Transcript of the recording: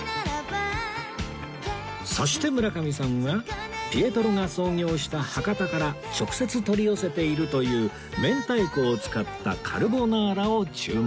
そして村上さんはピエトロが創業した博多から直接取り寄せているという明太子を使ったカルボナーラを注文